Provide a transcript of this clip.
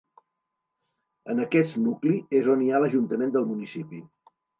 En aquest nucli és on hi ha l'ajuntament del municipi.